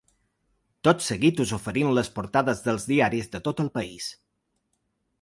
Tot seguit us oferim les portades dels diaris de tot el país.